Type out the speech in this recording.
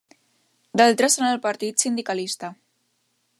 D'altres en el Partit Sindicalista.